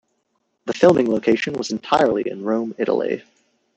The filming location was entirely in Rome, Italy.